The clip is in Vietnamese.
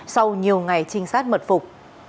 sau nhiều ngày trinh sát mật phục